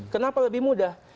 kenapa lebih mudah